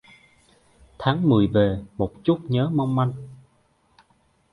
Tháng Mười về, một chút nhớ mong manh